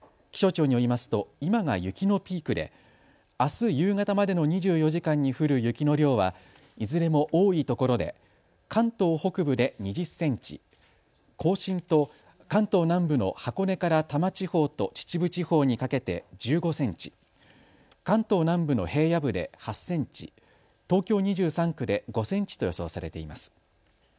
気象庁によりますと今が雪のピークであす夕方までの２４時間に降る雪の量はいずれも多いところで関東北部で２０センチ、甲信と関東南部の箱根から多摩地方と秩父地方にかけて１５センチ、関東南部の平野部で８センチ、東京２３区で５センチと予想されています。